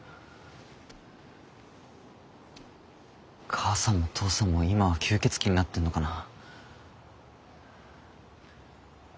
母さんも父さんも今は吸血鬼になってるのかな。